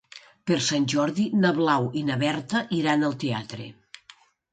Per Sant Jordi na Blau i na Berta iran al teatre.